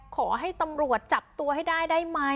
ขอให้ธรรมรวชจับตัวให้ได้ได้มา๊